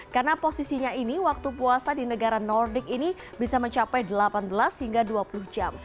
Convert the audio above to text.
karena posisinya ini waktu puasa di negara nordic ini bisa mencapai delapan belas hingga dua puluh jam